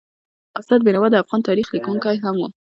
استاد بینوا د افغان تاریخ لیکونکی هم و.